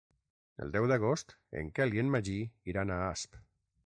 El deu d'agost en Quel i en Magí iran a Asp.